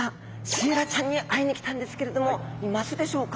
シイラちゃんに会いに来たんですけれどもいますでしょうか？